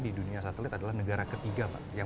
di dunia satelit adalah negara ketiga pak yang